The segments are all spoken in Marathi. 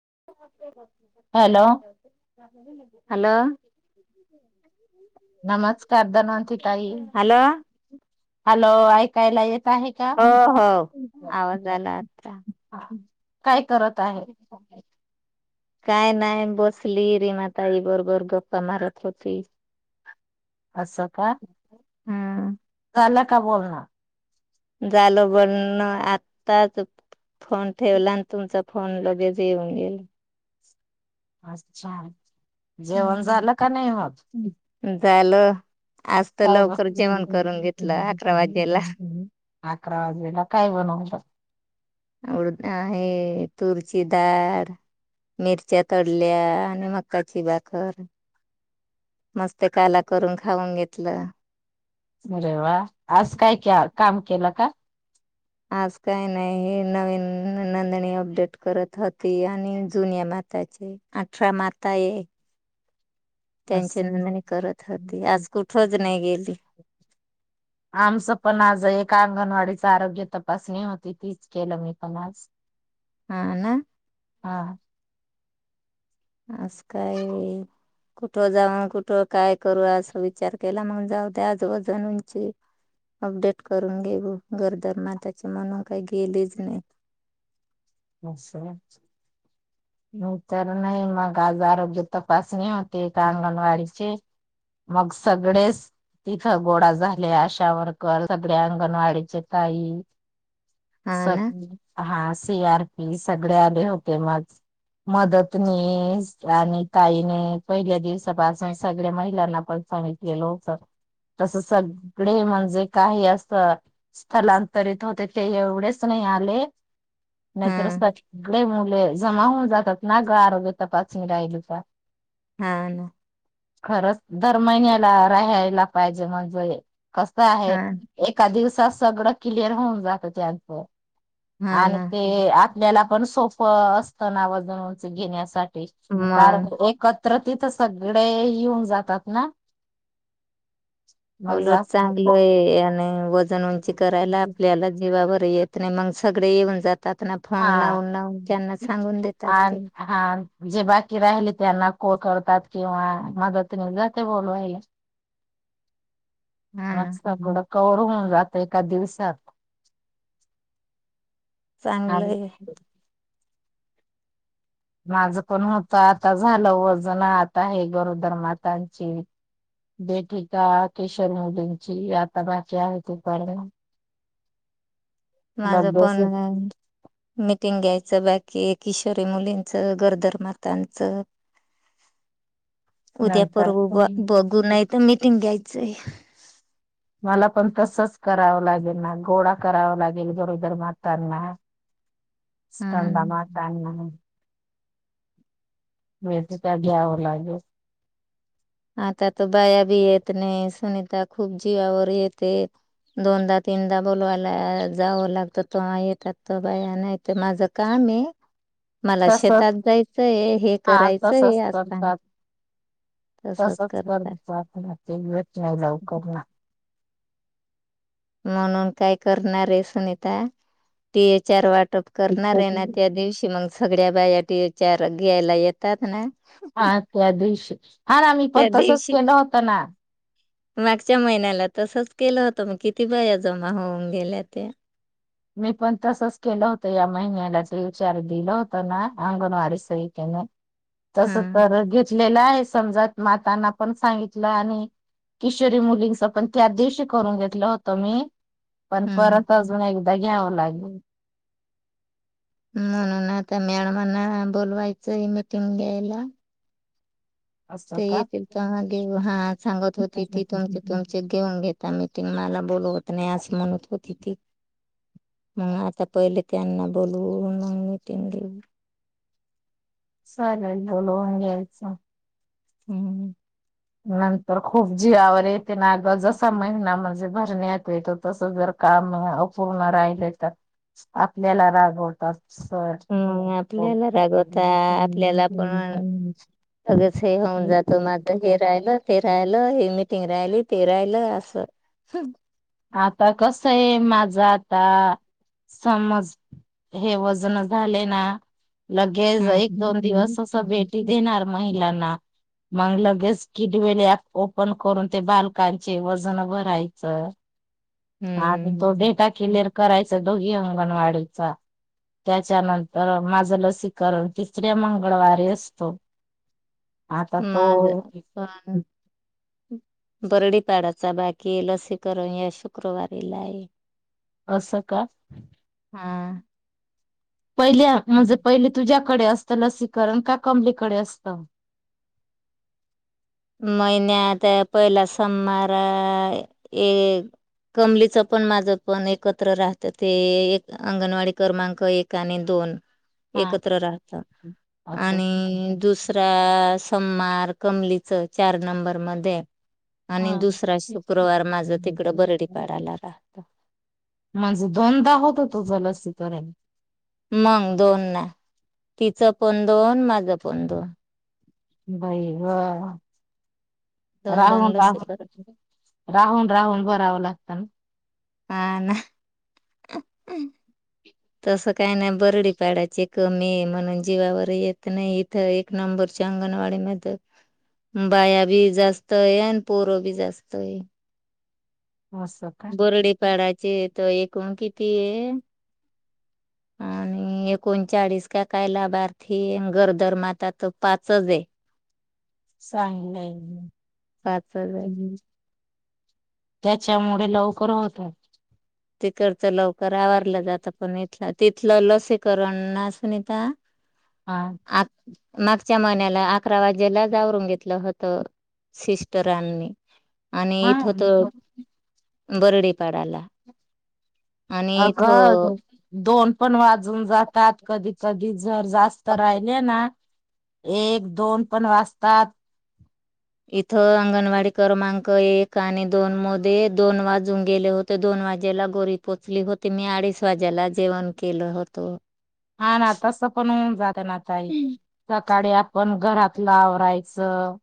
[inaudible] हॅलो ते [inaudible] हॅलो नमस्कार धनवंतीताई हॅलो हॅलो ऐकायला येत आहे का? हो हो आवाज आला आता काय करत आहे काय नाय बस ली रीमा ताई बरोबर गप्पा मारत होती. असं का. हम्म आल का बोलन. झाल बनवून आताच फोन ठेवला आणि तुमचा फोन लगेच येऊन गेल. अच्छा जेवण झालं गेला का नाही ओ आज झालं. आज तर काहो बस लवकर जेवण करून घेतलं अकरा वाजेला अकरा वाजेला काय बनवलं? उडद आहे तूरची डारं मिरच्या तडल्या आणि मक्या ची भाकर. मस्त काला करून खाऊन घेतल. अरे वा! आज काय क्या काम केल का? आज काय नाही हे न नवीन नोंदणी अपडेट करत होती आणि जुन्या मातांची अठरा माता ये. अस होती आज कुठच नाही गेली आमचं पण आज एक अंगणवाडीच आरोग्य तपासणी होती तीच केलं मी आज हा ना हा अस काय कुठं जाऊन कुठं काय करू अस विचार केला मग जाऊ दे आजूबाजूंची अपडेट करून घेऊ घरदार त्याच्यामुळे म्हणून काय गेलीच नाय. अस व्हय नाही मग आज आरोग्य तपासणी होती एका अंगणवाडीची मग सगळेच तिथ गोडा झाले आशावर्कर सगळ्या अंगणवाडीचे ताई हा ना सगळी हा सीआर मी सगडे आले होते म आज मदतनीस आणि ताईने पहिल्या दिवसापासून सगळ्या महिलांना पण सांगितलेलं होत तस सगळे म्हणजे काही असं स्थलांतरित होते ते एवढेच नाही आले. नाहीतर हा सगळे मि ते जमा होऊन जातात ना ग आरोग्य तपासणी राहिल का? हा ना खरंच दर महिन्याला राहायला पाहिजे म्हणजे कस आहे हा एका दिवसास सगळं क्लिअर होऊन जात त्यांच हा ना ते आपल्याला पण सोप असतं नाव जनींच घेण्यासाठी मग कारण एकत्र तिथं सगडे येऊन जातात ना मग उलट जास्त चांगलंय आणि वजन उंची करायला आपल्याला जीवावर येत ती ना मग सगळे येऊन जात हा सांगून देतात ते आणि हा जे बाकी राहिले त्यांना कॉ करतात. किंवा मदतनीस जाते बोलवाया. हा [inaudible] ना कवर होऊन जात एका दिवसात आणि चांगलंय माझ पण होत आता झालं वजन आता आहे गरोदर बेटिका किशोर मुलींची आता बाकी आहे ती पण माझ पण मिटिंग आहे बाकी किशोरी मुलींच गरोदर मातांच नंतर उद्यापूर्व ब बघू नाय तर मीटिंग घ्यायची चेे मला पण तसच करावं लागेल ना गोळा करावा लागेल गरोदर मातांना हम्म मातांना मी त त्या घ्याव लागेल आता त बाया बी येत नाही सुनीता खूप जीवावर येते दोनदा तीनदा बोलवायला जावं लागत त येतात त बाया नाही तर माझ काम आहे मला तसच शेतात जायचंय हे हा करायचंय तसच अस सांग करतात तसच करत राहतात येत नाही लवकरण म्हणून काय करणारे सुनीता, टी ए चार वाट. प करणार आहे ना त्या दिवशी मग. सगळ्या बायाटी चार घ्यायला येतात ना. हा त्या दिवशी, हा ना मी पण त्या तसच दिवशी केलं होतं ना. मागच्या महिन्याला तसच केलं होतं मग किती बाया जमा होऊन गेल्या त्या. मी पण तसंच केलं होतं या महिन्यालाच विचार दिला होत ना अंगणवाारी सही केण. तस हा तर घेतलेलं आहेच.. समजात मातांना पण सांगितलं, आणि किशोरी मुलींच, पण त्या दिवशी करून घेतलं होतं मी‌. पन परत हम्म अजून एकऽऽ [inaudible] म्हणून आता मॅडमांना बोलवायचंय मिीटिंग घ्यायला.. असं ते का येतील तगे हा सांगत होती ती तुमचे तुमचे घेऊन घे म.. मिटिंगला बोलवत नाही असं म्हणत होती ती,, मग आता पहिले त्यांना बोलवू मग मीटिंग देऊ. सलेलोल ह यायस. हम्म.. नंतर खूप जीवावर यऽऽ ग जसा महिना म्हणजे भरणेऽऽ तर तस जर काम अपूर्ण राहिल तर आपल्याला रागवतात. सर हम् आपल्याला आता रागवतात,, आपल्याला पण सगळच हे होऊन जातो, मात हे राहिलं. फीराय लो, ही मिीटिंग राहिली ती ररायली अससऽऽ आता कस आहे, माझ आता समज, हे वजन झाले नाऽऽ लगेच एक दोन दिवस हम्म. असं भेटी देणार महिलांना मग लगेच किडवेल ओपन करून ते बालकांचे वजन भरायच हा हम्म. तो डेटा क्लिअर करायचा दोघी अंगणवाडीचा त्याच्यानंतर माझं लसीकरण तिसऱ्या मंगळवारी असतो आता तो मज बरडी पाड चा बाकी लसीकरण या शुक्रवारीला आहे असं का हा पहिल्या म्हणजे पहिले तुझ्या असत लसीकरण का कमलीकडे असत महिन्यात पहिला सममारा एक कमलीचं पण माझं पण एकत्र राहतं ते एक अंगणवाडी क्रमांक एक आणि दोन हा एकत्र राहत असं आणि दुस सोममार कमल चार नंबर म हा तिकडं बरडीपाडाला राहतं. मजा दोनदा होत हो तो जलसी तर्यंत मंग दोन ना तिचं पण दोन माझ पण दोन बई वा दोन दोन राहुल राहुल लसीकरण [inaudible] राहुल राहुल बर लावलात का हा ना [unintelligible] तसं काही नाही बरडी पाड्याची कमी म्हणून जीवावर येत नाही इथं एक नंबरच्या अंगणवाडी म बाया बी जास्ताय आणि पोरो बी जास्ताय ना असं का बोरडीपाडाची [unintelligible] तर एकूण किती येत आणि एकोणचाळीस का काय लाभार्थी गरदरमाता तर पाचचायत चांगलय पाच हजार [inaudible] त्यांच्यामुळे लवकर होत [unintelligible] ते करता लव तर आवरलं का आता [unintelligible] तिथलं लसीकरण ना सुनीता हा [inaudible] आ - मागच्या महिन्याला अकरा वाजेला आवरून घेतलं होत सिस्टरांनी आणि हा इथ तर बरडीपाडाला आणि अगं दो इथं दोन पण वाजून जातात कधी कधी जर जास्त राहिले ना एक दोन पण वाजतात - इथं अंगणवाडी क्रमांक एक आणि दोन मध्ये दोन वाजून गेले होते दोन वाजेला गोरी पोचली होती मी अडीच वाजेला जेवण केलं होत हा ना तस पण उन झाल ना ताई सकाळी आपण घरात लावरायचं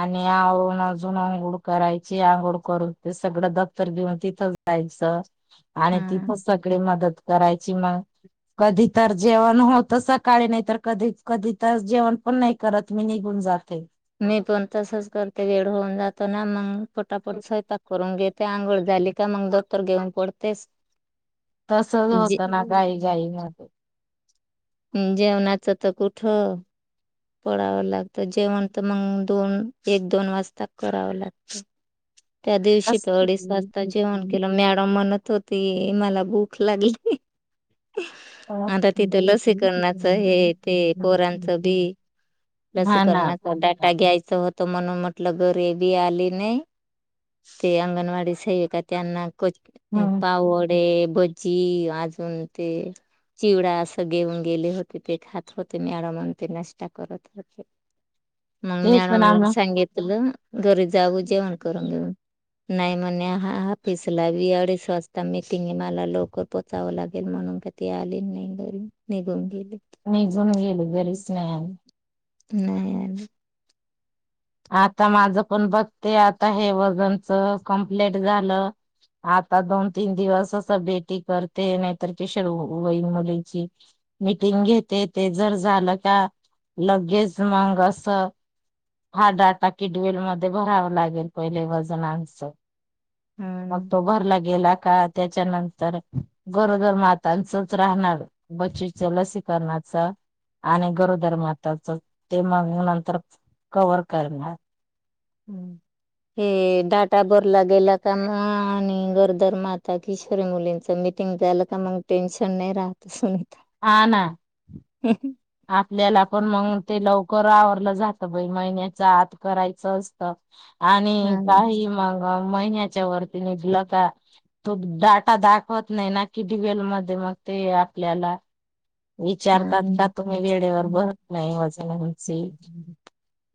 आणि आवून अजून आंघोळ करायची आंघोळ करून ते सगळं दफ्तर घेऊन तिथं जायचं आणि हा तिथ सगळी मदत करायची मग [inaudible] कधी तर जेवण होत सकाळी नाही. तर कधी-कधी तर जेवण पण नाही, करत मी निघून जाते. मी पण तसच करते वेळ होऊन जातो ना मग पटापट सयंपाक करून घे ते आंगळ झाली का मग दपतर घेऊन पडतेस तसच जे होतं ना गाई गाई म जेवणाचं तर कुठ पडावं लागतं जेवण तर मग दोन एक दोन वाजता करावं लागतं. [inaudible] त्या दिवशी ते अडीच वाजता जेवण केलं मॅडम म्हणत होत ती मला भूक लागली. आता तिथं लसीकरणाचं हे ते पोरांचं बी हा ना लसीकरणाचा डाटा घ्यायचं होतं म्हणून मग [unintelligible] कलं गरेबी आली नाही ते अंगणवाडी साहिक त्यांना हम्म पाव वडे भज्जी अजून ते चिवडा असं घेऊन गेले होते, ते खात होते मैडम अन् ते नाष्टा करत. ओके, मग तेच ना मॅडमला मग संगीतलं. घरी जाऊ जेवण करून घेऊन, नाही म्हणे ह ऑफिसला बी अडीच वाजता मिटिंग ए, मला लवकर पोहोचावं लागेल म्हणून का ती आली नाही घरी, निघून गेली. नाही जुने गेल घरीच, न्यायानं, नाही अजून, आता माझ पण बघते, आता हे वजनच कमप्लीट झालं, आता दोन तीन दिवस असं बेटी करते नाहीतर पिशर वईन मुलीची मीटिंग घेते ते जर झालं का लगेच मंग अस हाड आता किडवेल मध्ये भरावं लागेल पहिले वजनांचं. हा ना मग तो भरला गेला का त्याच्यानंतर, गरोदर मातांचच राहणार, बच्ची लसीकरणाच आणि गरोदर माताच ते मग नंतर कवर करणार, हम्म, हे डाटा भरला गेला का मग आणि गरोदर माता, किशोरी मुलींच मिटिंग झालं का मग टेन्शन नाही राहत असे हा ना, आपल्याला पण मग ते लवकर वावरलं जात बइ महिन्याच आत करायचं असत हा आणि काही मग महिन्या च्या वरती निघलं का, तो डाटा दाखवत नाही, ना की डीवेल मध्ये मग ते आपल्याला हा विचारतात ना तुम्ही वेळेवर बघत नाही वजनांचे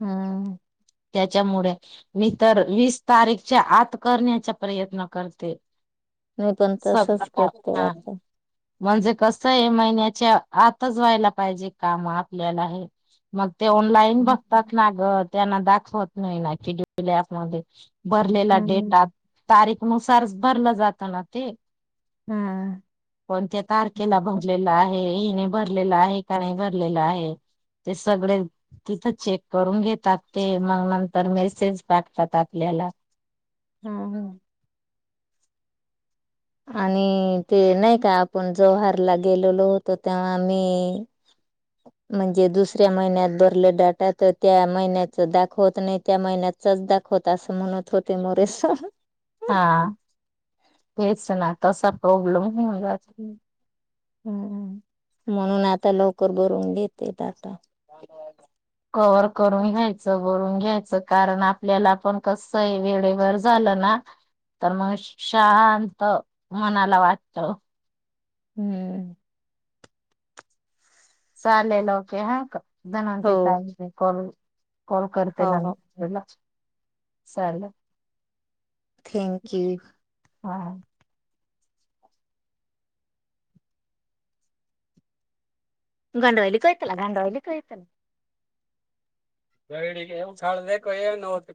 हा त्याच्यामुळे मी तर वीस तारीखच्या आत करण्याचा प्रयत्न करते. मी पण सगळ तसच करते हा आता. म्हणजे कस आहे महिन्याच्या आताच व्हायला पाहिजे काम आपल्याला हे मग ते ऑनलाईन बघतातना गं. त्यांना दाखवत नाही ना कडलॅफ मध्ये भरलेला हा डेट तारीख नुसार. भरलं जात ना ते. हा कोणत्या तारखेला भरलेलं आहे? हिने भरलेलं आहे का नाही भरलेलं आहे, ते सगळे तिथं चेक करून घेतात ते मग नंतर मेसेज पाठतात आपल्याला हम्म. आणि ते नाही का आपण जव्हारला गेलेलो होतो तेव्हा मी म्हणजे दुसऱ्या महिन्यात भरले डाटा तर त्या महिन्याच दाखवत नाही त्या महिन्याचच दाखवत असं म्हणत होते मोरे सर. हा, हेच ना तसा प्रॉब्लेम होऊन जातो. हम्म, म्हणून आता लवकर भरून देते डाटा कवर करून घ्यायचं भरून. याचं कारण आपल्याला पण कसं हे वेळेवर झालं ना तर मग शांत मनाला वाटतं. हम्म. चालेल ओके हां क हो दहा [unintelligible] कॉल कॉल करते हो ना हो मी. सहा ला. थँक यू हां. गंडावली डवाली काय तेला गंडावली काय तेला [unintelligible]